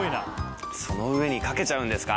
その上にかけちゃうんですか？